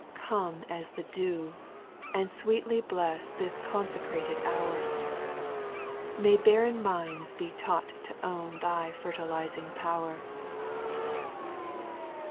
4. Come as the dew, — and sweetly bless This consecrated hour ; May barren minds be taught to own Thy fertilizing power.